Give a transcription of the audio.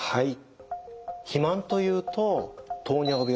はい。